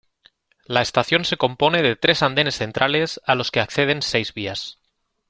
La estación se compone de tres andenes centrales a los que acceden seis vías.